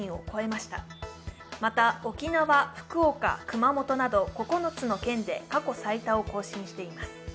また、沖縄、福岡、熊本など９つの県で過去最多を更新しています。